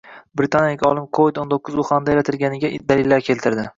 Britaniyalik olim covid o'n to'qqiz Uhanda yaratilganiga dalillar keltirdi.